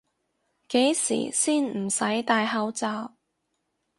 幾時先唔使戴口罩？